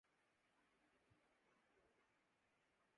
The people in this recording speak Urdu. نظر میں کھٹکے ہے بن تیرے گھر کی آبادی